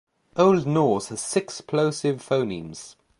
Old Norse has six plosive phonemes.